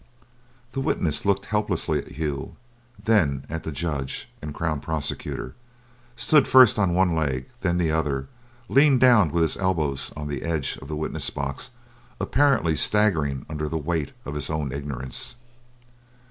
The witness looked helplessly at Hugh, then at the Judge and Crown Prosecutor; stood first on one leg, then on the other; leaned down with his elbows on the edge of the witness box apparently staggering under the weight of his own ignorance.